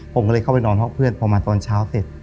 ผมก็เลยเข้าไปนอนห้องเพื่อนพอมาตอนเช้าเสร็จ